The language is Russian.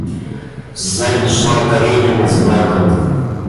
Сзади шла Каренина с братом.